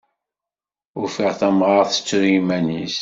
Ufiɣ tamɣart tettru iman-is.